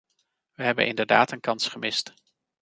We hebben inderdaad een kans gemist.